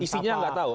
isinya nggak tahu